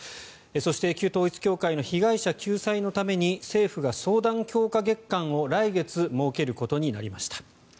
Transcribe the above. そして、旧統一教会の被害者救済のために政府が相談強化月間を来月設けることになりました。